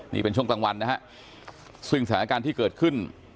นี่เป็นช่วงกลางวันนะฮะซึ่งสถานการณ์ที่เกิดขึ้น